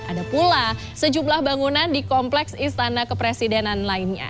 ada pula sejumlah bangunan di kompleks istana kepresidenan lainnya